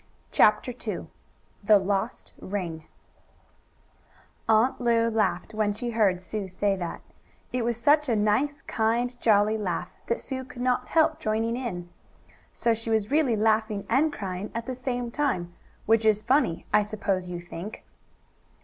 CHAPTER II THE LOST RING Aunt Lu laughed when she heard Sue say that. And it was such a nice, kind, jolly laugh that Sue could not help joining in. So she was really laughing and crying at the same time, which is funny, I suppose you think.